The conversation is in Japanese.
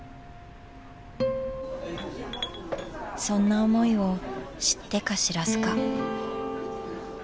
そんな思いを知ってか知らずか。